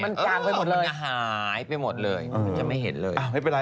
มันจางไปหมดเลยเนี่ยหายไปหมดเลยมันจะไม่เห็นเลยไม่เป็นไร